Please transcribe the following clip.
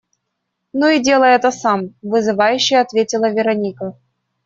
«Ну и делай это сам», - вызывающе ответила Вероника.